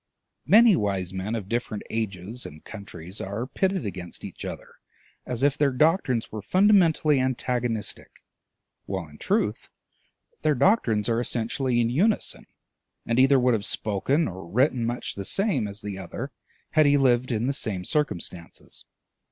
Many wise men of different ages and countries are pitted against each other as if their doctrines were fundamentally antagonistic, while, in truth, their doctrines are essentially in unison, and either would have spoken or written much the same as the other had he lived in the same circumstances.